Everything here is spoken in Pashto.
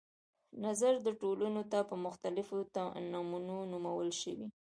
نظر د ټولنو ته په مختلفو نمونو نومول شوي.